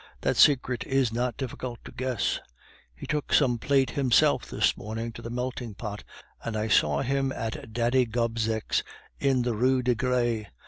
That secret is not difficult to guess. He took some plate himself this morning to the melting pot, and I saw him at Daddy Gobseck's in the Rue des Gres.